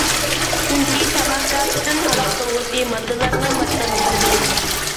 چۈنكى تاماكا پۈتۈن ھالاك قىلغۇچى ماددىلارنىڭ باشلانغۇچىدۇر.